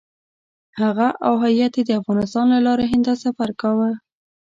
هغه او هیات یې د افغانستان له لارې هند ته سفر کاوه.